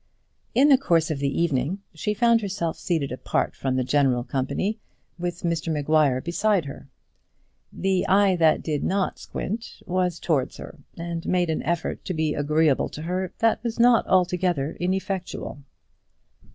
In the course of the evening she found herself seated apart from the general company, with Mr Maguire beside her. The eye that did not squint was towards her, and he made an effort to be agreeable to her that was not altogether ineffectual.